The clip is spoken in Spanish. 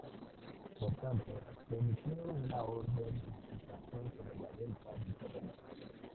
Por tanto, se emitió una orden de suspensión sobre la venta del terreno.